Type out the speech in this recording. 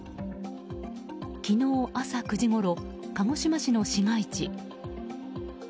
昨日朝９時ごろ鹿児島市の市街地。